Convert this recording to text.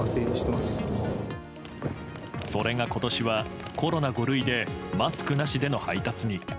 それが今年はコロナ５類でマスクなしの配達に。